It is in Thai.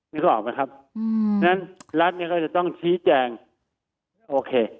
นึกออกไหมครับฉะนั้นรัฐเนี่ยก็จะต้องชี้แจงโอเค